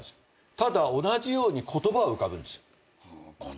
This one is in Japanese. ただ同じように言葉は浮かぶんですよ。